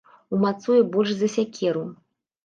Умацуе больш за сякеру.